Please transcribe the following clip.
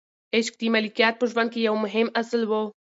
عشق د ملکیار په ژوند کې یو مهم اصل و.